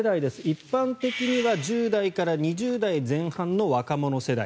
一般的には１０代から２０代前半の若者世代。